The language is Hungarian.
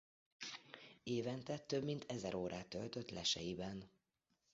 Évente több mint ezer órát töltött leseiben.